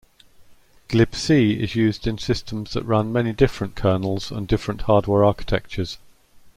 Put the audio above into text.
Glibc is used in systems that run many different kernels and different hardware architectures.